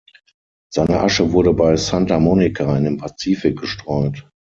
Seine Asche wurde bei Santa Monica in den Pazifik gestreut.